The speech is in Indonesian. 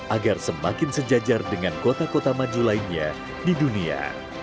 agar semakin sejajar dengan kota kota maju lainnya di dunia